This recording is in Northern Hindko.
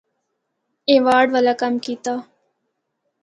ایوارڈ والا کم کیتا۔